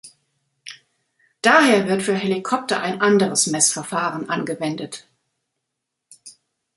Daher wird für Helikopter ein anderes Messverfahren angewendet.